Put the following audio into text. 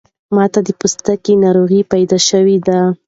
ماته د پوستکی ناروغۍ پیدا شوی ده